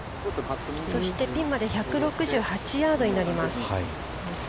そして、ピンまで１６８ヤードになります。